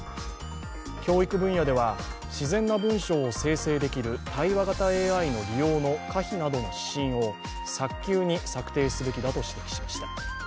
教育分野では自然な文章を生成できる対話型ＡＩの利用の可否などの指針をの早急に策定すべきだと指摘しました。